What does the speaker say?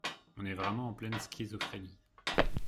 On est vraiment en pleine schizophrénie.